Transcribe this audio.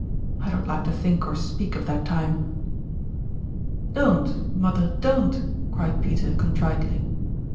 I don't like to think or speak of that time." "Don't, mother, don't!" cried Peter, contritely.